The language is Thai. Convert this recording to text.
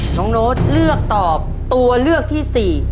โน้ตเลือกตอบตัวเลือกที่๔